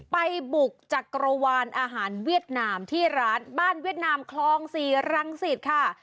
ไปบุกจักรวาลอาหารเวียดนามที่ร้านบ้านเวียดนามคลอง๔รังสิตค่ะ